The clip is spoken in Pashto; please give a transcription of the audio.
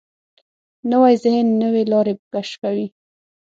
نوی ذهن نوې لارې کشفوي